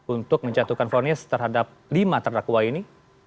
untuk menjatuhkan fonis terhadap lima terdakwa ini